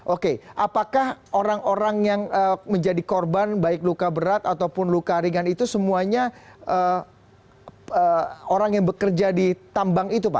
oke apakah orang orang yang menjadi korban baik luka berat ataupun luka ringan itu semuanya orang yang bekerja di tambang itu pak